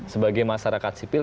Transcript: sebagai masyarakat sipil